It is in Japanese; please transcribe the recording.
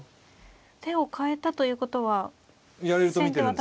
手を変えたということは先手渡辺四段は。